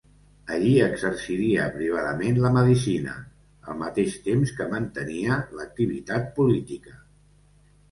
Allí exerciria privadament la medicina, al mateix temps que mantenia l'activitat política.